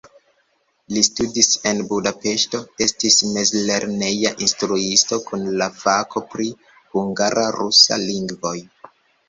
Li studis en Budapeŝto, estis mezlerneja instruisto kun la fako pri hungara-rusa lingvoj.